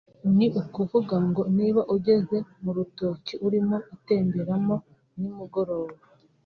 ni ukuvuga ngo niba ugeze mu rutoki urimo utemberamo nimugoroba